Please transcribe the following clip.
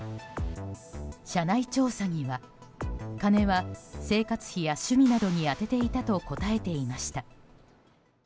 社内調査には金は生活費や趣味などに充てていたと答えていました。